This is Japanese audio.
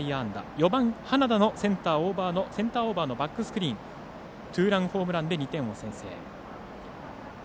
４番、花田のセンターオーバーのバックスクリーンツーランホームランで２点を先制。